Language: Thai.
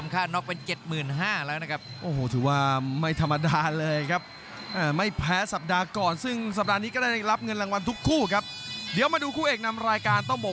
ตอนนี้แฟนถึงการรับเงินแรงวันทุกคู่ครับ